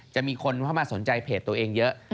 จะมีคนเข้ามาสนใจเพจตัวเองเยอะ